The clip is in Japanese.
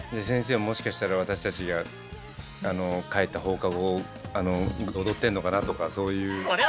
先生ももしかしたら私たちが帰った放課後踊ってるのかなとかそういう。